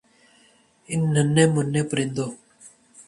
ان ننھے مننھے پرندوں